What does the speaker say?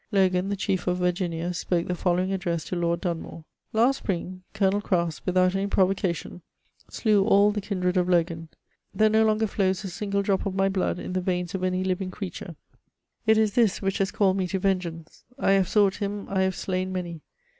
Logan^ the chief of Virg^ia, spoke the following address to Lord Dunmore :" Last spring, Colonel Crasp, without any provocation, slew all the kindred of Logan ; there no longer flows a single drop of my blood in the veins of any living creature. It is tlus which has called me to vengeance. I have sought him ; I have slain many.